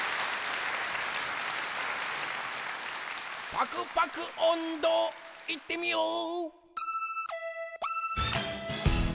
パクパクおんど、いってみよう！